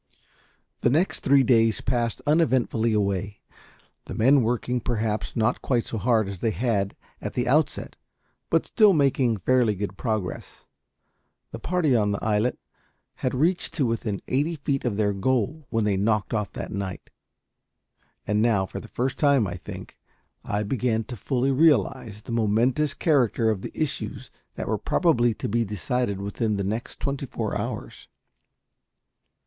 The next three days passed uneventfully away, the men working perhaps not quite so hard as they had at the outset, but still making fairly good progress. The party on the islet had reached to within eighty feet of their goal when they knocked off that night; and now, for the first time, I think, I began to fully realise the momentous character of the issues that were probably to be decided within the next twenty four hours.